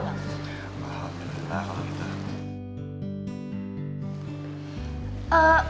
ya allah bila kita kalau gitu